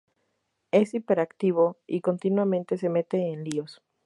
Es hiperactivo y continuamente se mete en líos.